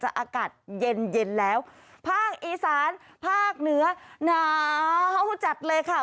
อากาศเย็นเย็นแล้วภาคอีสานภาคเหนือหนาวจัดเลยค่ะ